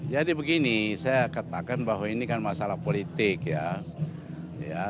jadi begini saya katakan bahwa ini kan masalah politik ya